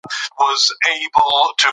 یو بل وزغمئ.